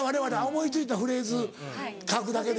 思い付いたフレーズ書くだけで。